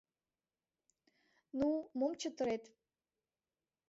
Ну, мом чытырет?